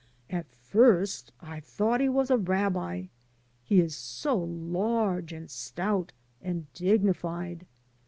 At first I thought he was a TOO [rabbi]; he is so large, and stout, and dignified.